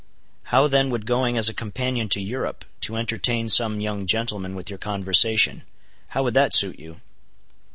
"How then would going as a companion to Europe, to entertain some young gentleman with your conversation,—how would that suit you?"